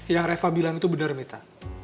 yang reva bilang itu benar mita